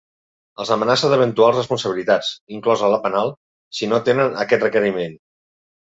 Els amenaça d’eventuals responsabilitats, inclosa la penal, si no atenen aquest requeriment.